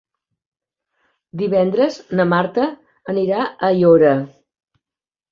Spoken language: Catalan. Divendres na Marta anirà a Aiora.